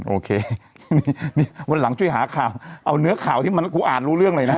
โอเคนี่วันหลังช่วยหาข่าวเอาเนื้อข่าวที่มันกูอ่านรู้เรื่องเลยนะ